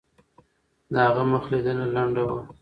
د هغه مخ لیدنه لنډه وه.